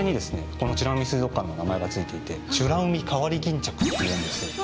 この美ら海水族館の名前が付いていてチュラウミカワリギンチャクっていうんです。